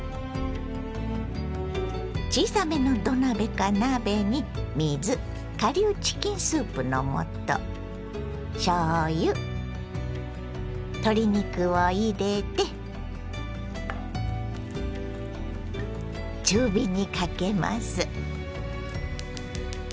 小さめの土鍋か鍋に水顆粒チキンスープの素しょうゆ鶏肉を入れて中火にかけます。